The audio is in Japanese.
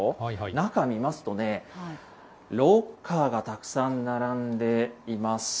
中見ますとね、ロッカーがたくさん並んでいます。